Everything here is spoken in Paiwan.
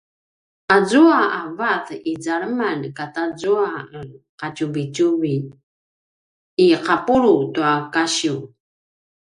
azua a vat i zaleman katazua a ’atjuvitjuvi i ’apulu tua kasiv